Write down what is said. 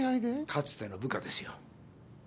かつての部下ですよ。